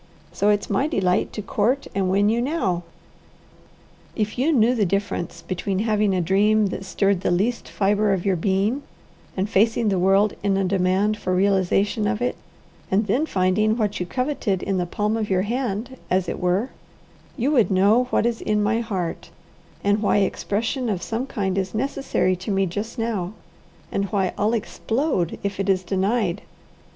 So it's my delight to court and win you now. If you knew the difference between having a dream that stirred the least fibre of your being and facing the world in a demand for realization of it, and then finding what you coveted in the palm of your hand, as it were, you would know what is in my heart, and why expression of some kind is necessary to me just now, and why I'll explode if it is denied.